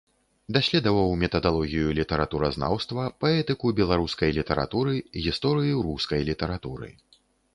Даследаваў метадалогію літаратуразнаўства, паэтыку беларускай літаратуры, гісторыю рускай літаратуры.